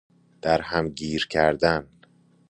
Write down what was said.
در هم گیر کردن